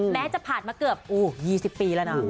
จะผ่านมาเกือบ๒๐ปีแล้วนะ